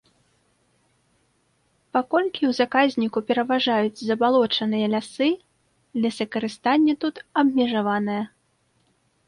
Паколькі ў заказніку пераважаюць забалочаныя лясы, лесакарыстанне тут абмежаванае.